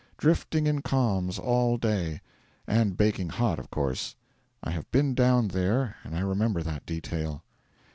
'Drifting in calms all day.' And baking hot, of course; I have been down there, and I remember that detail.